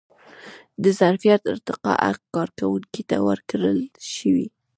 د ظرفیت ارتقا حق کارکوونکي ته ورکړل شوی.